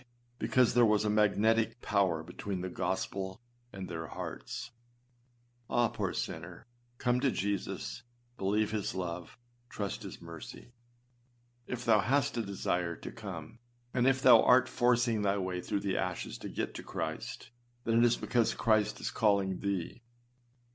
because there was a magnetic power between the gospel and their hearts. AH! poor sinner, come to Jesus, believe his love, trust his mercy. If thou hast a desire to come, if thou art forcing thy way through the ashes to get to Christ, then it is because Christ is calling thee.